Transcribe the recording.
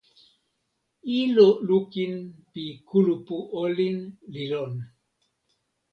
ilo lukin pi kulupu olin li lon.